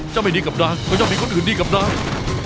จ้างไม่ดีกับนางแต่ยอมมีคนอื่นดีกับนาง